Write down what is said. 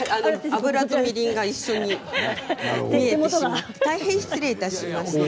油とみりんが一緒に大変失礼いたしました。